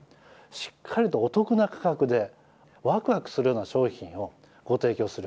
しっかりとお得な価格でわくわくするような商品をご提供する。